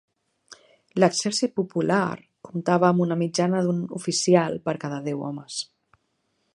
L'Exèrcit Popular comptava amb una mitjana d'un oficial per cada deu homes